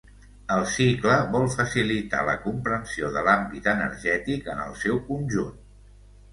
El cicle vol facilitar la comprensió de l’àmbit energètic en el seu conjunt.